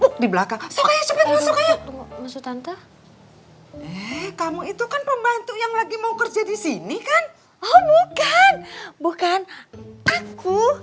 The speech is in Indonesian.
eh kamu itu kan pembantu yang lagi mau kerja di sini kan oh bukan bukan aku